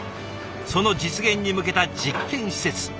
その実現に向けた実験施設。